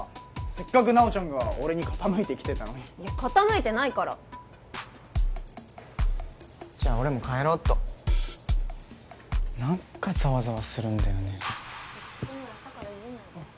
せっかく奈緒ちゃんが俺に傾いてきてたのにいや傾いてないからじゃ俺も帰ろうっと何かざわざわするんだよね